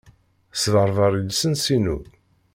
Sberber i lwens-inu.